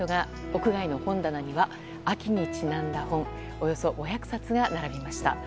屋外の本棚には、秋にちなんだ本およそ５００冊が並びました。